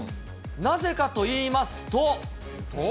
なぜかといいますと。